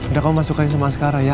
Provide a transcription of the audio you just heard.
udah kamu masuk kaya sama askara ya